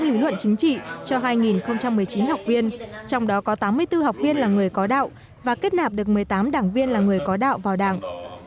lý luận chính trị cho hai một mươi chín học viên trong đó có tám mươi bốn học viên là người có đạo và kết nạp được một mươi tám đảng viên là người có đạo vào đảng